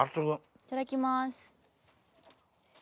いただきます。